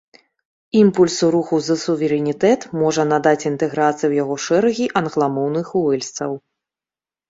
Імпульсу руху за суверэнітэт можа надаць інтэграцыя ў яго шэрагі англамоўных уэльсцаў.